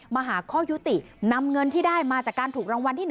มาหาข้อยุตินำเงินที่ได้มาจากการถูกรางวัลที่๑